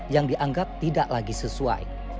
yang dianggap tidak lagi sesuai